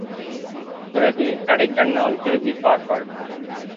பிறகு கடைக்கண்ணால் திரும்பிப் பார்ப்பாள்.